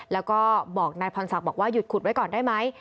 แล้วก็บอกนายพรศักดิ์บอกว่าหยุดขุดไว้ก่อนได้ไหม